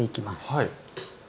はい。